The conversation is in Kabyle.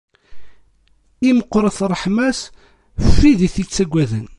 I meqqret ṛṛeḥma-s ɣef wid i t-ittaggaden.